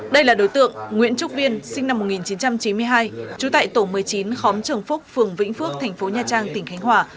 đây là đối tượng nguyễn trúc viên sinh năm một nghìn chín trăm chín mươi hai trú tại tổ một mươi chín khóm trường phúc phường vĩnh phước thành phố nha trang tỉnh khánh hòa